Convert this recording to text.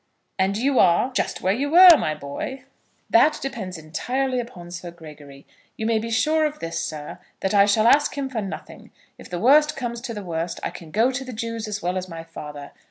"And you are, just where you were, my boy." "That depends entirely upon Sir Gregory. You may be sure of this, sir, that I shall ask him for nothing. If the worst comes to the worst, I can go to the Jews as well as my father.